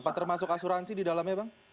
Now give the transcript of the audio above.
apa termasuk asuransi di dalamnya bang